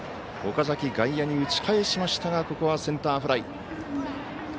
岡崎、外野に打ち返しましたがここはセンターフライ。